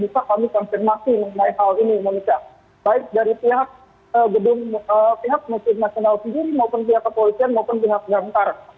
baik dari pihak gedung pihak muslim nasional sendiri maupun pihak kepolisian maupun pihak gantar